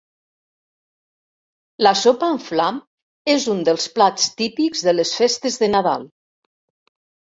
La sopa amb flam és un dels plats típics de les festes de Nadal.